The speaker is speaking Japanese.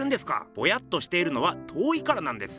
ぼやっとしているのは遠いからなんです。